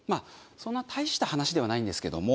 そんな大した話ではないんですけども。